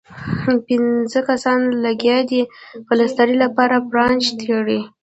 پنځۀ کسان لګيا دي پلستر لپاره پرانچ تړي